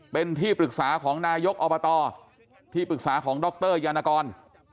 เป็นที่ปรึกษาของนายกอบตที่ปรึกษาของดรยานกร